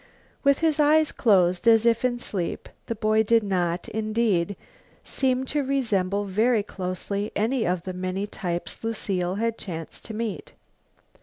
With his eyes closed as if in sleep, the boy did not, indeed, seem to resemble very closely any of the many types Lucile had chanced to meet.